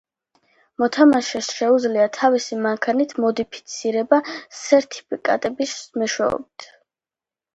მოთამაშეს შეუძლია თავისი მანქანის მოდიფიცირება სერტიფიკატების მეშვეობით.